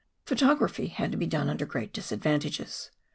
Photography had to be done under great disadvantages.